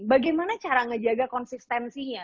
bagaimana cara ngejaga konsistensinya